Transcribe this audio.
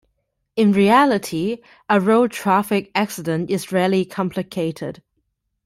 In reality, a road traffic accident is rarely complicated.